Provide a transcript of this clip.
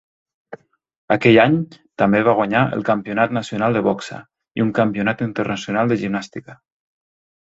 Aquell any, també va guanyar el campionat nacional de boxa i un campionat internacional de gimnàstica.